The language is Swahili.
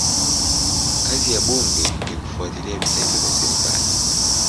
Kazi ya bunge ni kufuatilia vitendo vya serikali.